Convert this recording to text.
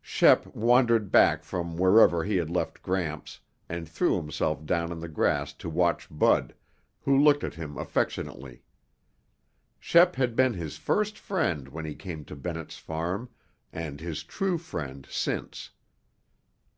Shep wandered back from wherever he had left Gramps and threw himself down in the grass to watch Bud, who looked at him affectionately. Shep had been his first friend when he came to Bennett's Farm and his true friend since.